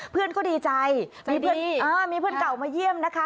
เพื่อนก็ดีใจมีเพื่อนมีเพื่อนเก่ามาเยี่ยมนะคะ